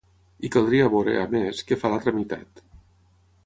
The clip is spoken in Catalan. I caldria veure, a més, què fa l’altra meitat.